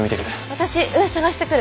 私上捜してくる。